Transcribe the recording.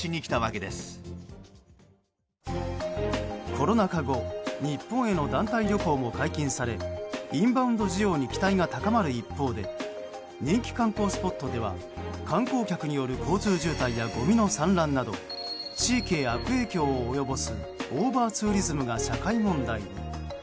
コロナ禍後日本への団体旅行も解禁されインバウンド需要に期待が高まる一方で人気観光スポットでは観光客による交通渋滞やごみの散乱など地域へ悪影響を及ぼすオーバーツーリズムが社会問題に。